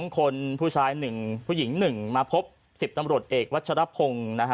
๒คนผู้ชาย๑ผู้หญิง๑มาพบ๑๐ตำรวจเอกวัชรพงศ์